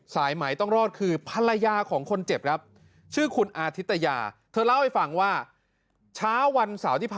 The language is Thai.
สักทั้งนึงคนที่ถือปืนก็ตามไป